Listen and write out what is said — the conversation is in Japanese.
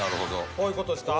こういう事ですか？